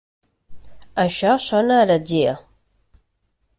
Això sona a heretgia.